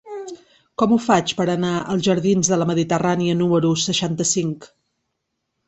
Com ho faig per anar als jardins de la Mediterrània número seixanta-cinc?